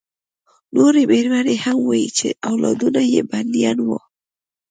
نورې مېرمنې هم وې چې اولادونه یې بندیان وو